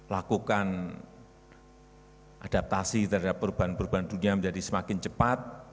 lakukan adaptasi terhadap perubahan perubahan dunia menjadi semakin cepat